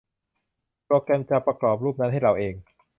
โปรแกรมจะประกอบรูปนั้นให้เราเอง !